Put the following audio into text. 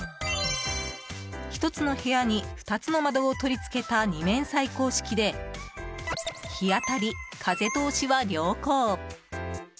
１つの部屋に、２つの窓を取り付けた二面採光式で日当たり・風通しは良好。